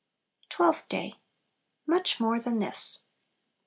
Twelfth Day. Much more than this.